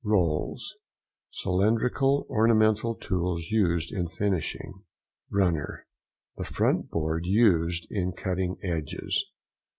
ROLLS.—Cylindrical ornamental tools used in finishing. RUNNER.—The front board used in cutting edges.